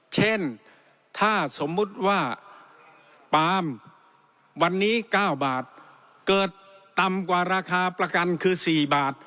เช่นถ้าสมมุติว่าปาล์มวันนี้๙บาทเกิดต่ำกว่าราคาประกันคือ๔บาท